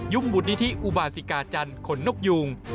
บุตนิธิอุบาสิกาจันทร์ขนนกยูง